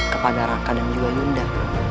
kepada raka dan juga yuda